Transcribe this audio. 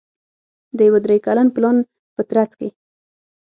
د یوه درې کلن پلان په ترڅ کې